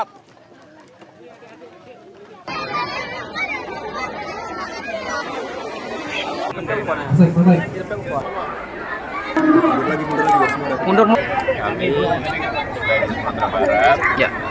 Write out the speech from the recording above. kami dari sumatera barat